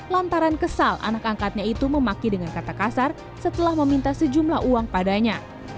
lantaran kesal anak angkatnya itu memaki dengan kata kasar setelah meminta sejumlah uang padanya